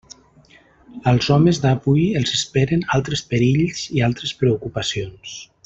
Als homes d'avui els esperen altres perills i altres preocupacions.